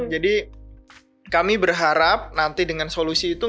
jadi kami berharap nanti dengan solusi itu